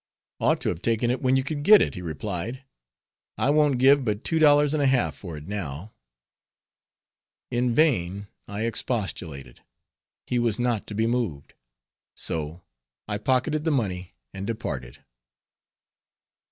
"Ought to have taken it when you could get it," he replied. "I won't give but two dollars and a half for it now." In vain I expostulated; he was not to be moved, so I pocketed the money and departed.